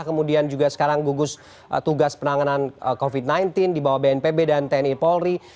kemudian juga sekarang gugus tugas penanganan covid sembilan belas di bawah bnpb dan tni polri